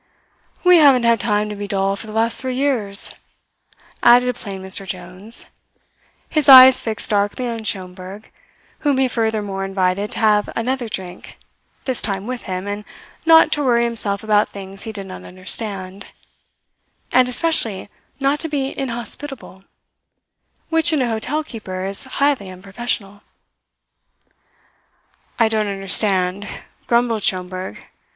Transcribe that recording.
"We haven't had time to be dull for the last three years," added plain Mr. Jones, his eyes fixed darkly on Schomberg whom he further more invited to have another drink, this time with him, and not to worry himself about things he did not understand; and especially not to be inhospitable which in a hotel keeper is highly unprofessional. "I don't understand," grumbled Schomberg.